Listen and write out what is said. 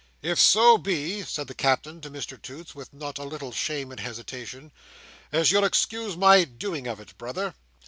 "If so be," said the Captain to Mr Toots, with not a little shame and hesitation, "as you'll excuse my doing of it, brother."